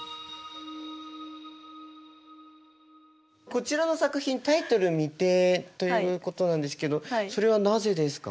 こちらの作品タイトル未定ということなんですけどそれはなぜですか？